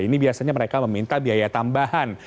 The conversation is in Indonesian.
ini biasanya mereka meminta biaya tambahan